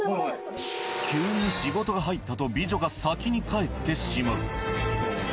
急に仕事が入ったと美女が先に帰ってしまう。